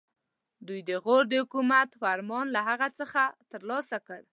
دوی د غور د حکومت فرمان له هغه څخه ترلاسه کړ.